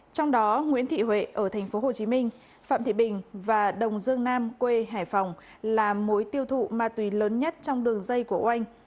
trong đó nguyễn thị huệ ở tp hcm phạm thị bình và đồng dương nam quê hải phòng là mối tiêu thụ ma túy lớn nhất trong đường dây của oanh